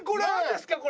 これ！